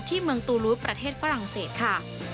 เมืองตูลูทประเทศฝรั่งเศสค่ะ